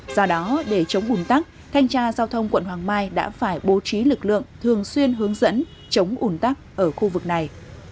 do đó để chống ủn tắc thanh tra giao thông quận hoàng mai đã phải bố trí lực lượng thường xuyên hướng dẫn chống ủn tắc ở khu vực này